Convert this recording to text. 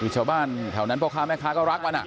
ชาวบ้านแถวนั้นพ่อค้าแม่ค้าก็รักมัน